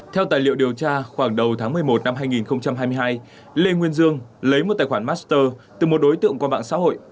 theo tài liệu điều tra khoảng đầu tháng một mươi một năm hai nghìn hai mươi hai lê nguyên dương lấy một tài khoản master từ một đối tượng qua mạng xã hội